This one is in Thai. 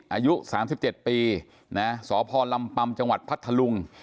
อายุ๓๗ปีนะสพลำปัมจังหวัดพัทธลุง